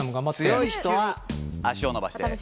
強い人は足を伸ばして。